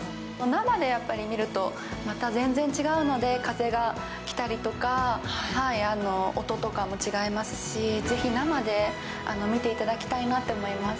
生で見るとまた全然違うので、風が来たりとか、音とかも違いますし、ぜひ生で見ていただきたいなと思います。